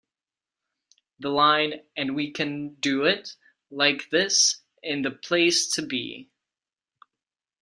The line And we can do it like this, in the place to be.